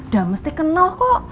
dan mesti kenal kok